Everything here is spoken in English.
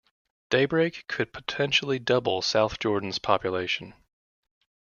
Daybreak could potentially double South Jordan's population.